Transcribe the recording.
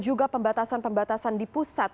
juga pembatasan pembatasan di pusat